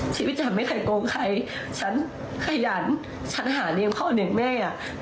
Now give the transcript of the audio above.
ชีวิตฉันไม่เคยโกงใครฉันขยันฉันหาเลี้ยงพ่อเลี้ยงแม่อ่ะ